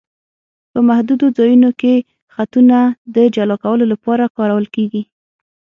په محدودو ځایونو کې خطونه د جلا کولو لپاره کارول کیږي